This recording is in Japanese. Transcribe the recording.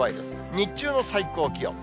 日中の最高気温。